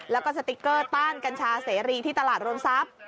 แล้วก็สติ๊กเกอร์ต้านกัญชาเสรีที่ตลาดรวมทรัพย์